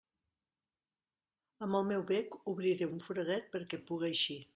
Amb el meu bec obriré un foradet perquè puga eixir.